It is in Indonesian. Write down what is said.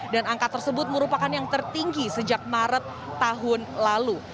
dan angka tersebut merupakan yang tertinggi sejak maret tahun lalu